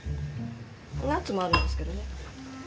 ナッツもあるんですけどね。